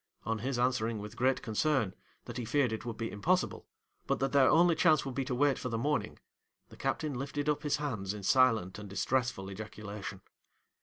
On his answering with great concern, that he feared it would be impossible, but that their only chance would be to wait for morning, the captain lifted up his hands in silent and distressful ejaculation.